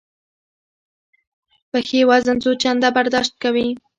پښې وزن څو چنده برداشت کوي.